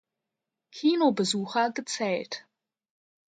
Kinobesucher gezählt.